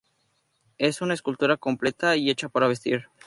Es una escultura completa y hecha para vestir.